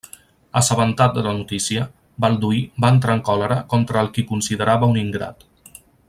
Assabentat de la notícia, Balduí va entrar en còlera contra el qui considerava un ingrat.